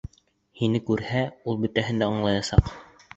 Һине күрһә, ул бөтәһен дә аңлаясаҡ!..